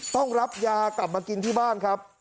ต้องรับยากลับมากินที่บ้านครับ